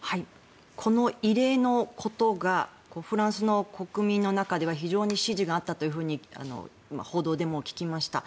この異例のことがフランスの国民の中では非常に支持があったと報道でも聞きました。